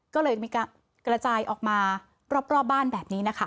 ก็เลยมีการกระจายออกมารอบบ้านแบบนี้นะคะ